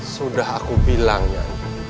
sudah aku bilang nyai